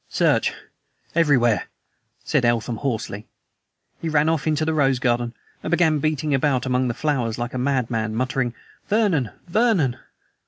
"Search! Everywhere," said Eltham hoarsely. He ran off into the rose garden, and began beating about among the flowers like a madman, muttering: "Vernon! Vernon!"